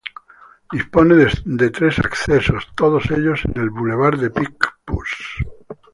Dispone de tres accesos, todos ellos en el bulevar de Picpus.